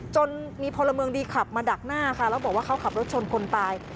จนมีพลเมืองดีขับมาดักหน้าค่ะแล้วบอกว่าเขาขับรถชนคนตาย